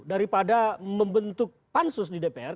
daripada membentuk pansus di dpr